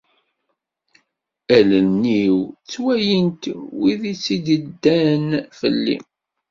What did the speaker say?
Allen-iw ttwalint wid i tt-iddan fell-i.